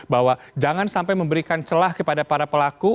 bahwa jangan sampai memberikan celah kepada para pelaku